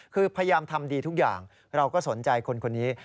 คือพยายามทำดีทุกอย่างเราก็สนใจคนคนนี้